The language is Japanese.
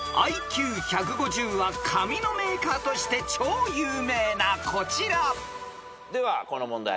［ＩＱ１５０は紙のメーカーとして超有名なこちら］ではこの問題